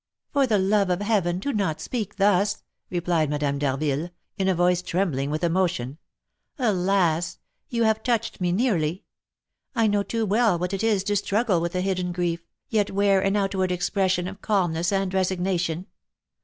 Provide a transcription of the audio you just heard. "For the love of heaven, do not speak thus!" replied Madame d'Harville, in a voice trembling with emotion. "Alas! you have touched me nearly; I know too well what it is to struggle with a hidden grief, yet wear an outward expression of calmness and resignation.